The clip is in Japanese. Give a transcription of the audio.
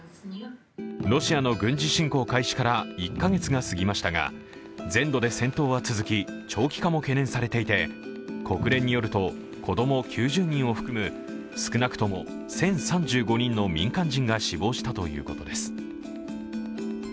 ロシアの軍事侵攻開始から１カ月が過ぎましたが全土で戦闘は続き、長期化も懸念されていて、国連によると子供９０人を含む、少なくとも１０３５人の民間人が死亡したということです。